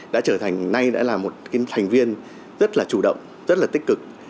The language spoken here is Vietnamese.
đã trở thành nay đã là một thành viên rất là chủ động rất là tích cực